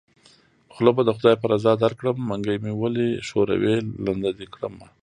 خوله به د خدای په رضا درکړم منګۍ مې ولی ښوروی لنده دې کړمه